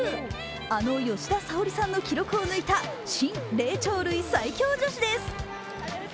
あの吉田沙保里さんの記録を抜いた新霊長類最強女子です。